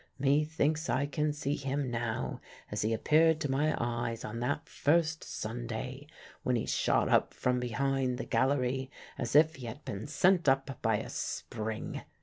Methinks I can see him now as he appeared to my eyes on that first Sunday, when he shot up from behind the gallery, as if he had been sent up by a spring.